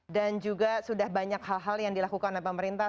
dan juga sudah banyak hal hal yang dilakukan oleh pemerintah